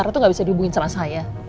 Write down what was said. buzara tuh gak bisa dihubungin sama saya